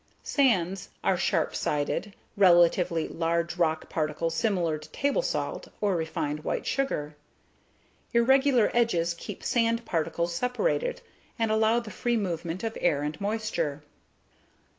Sands are sharp sided, relatively large rock particles similar to table salt or refined white sugar. Irregular edges keep sand particles separated, and allow the free movement of air and moisture.